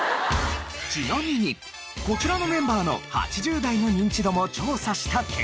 ちなみにこちらのメンバーの８０代のニンチドも調査した結果。